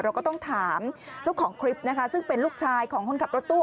เราก็ต้องถามเจ้าของคลิปนะคะซึ่งเป็นลูกชายของคนขับรถตู้